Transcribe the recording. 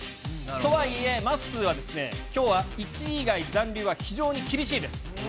とはいえ、まっすーは、きょうは１位以外、残留は非常に厳しいです。